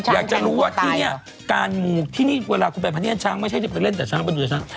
อยากจะรู้ว่าที่นี่การหมูที่นี่เวลาคุณแบบช้างไม่ใช่เด็กเล่นแต่ช้างเป็นเดือดช้าง